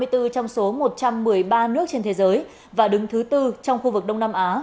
trong số một trăm một mươi ba nước trên thế giới và đứng thứ bốn trong khu vực đông nam á